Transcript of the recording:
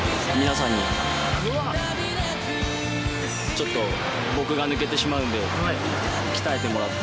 ちょっと僕が抜けてしまうんで鍛えてもらって。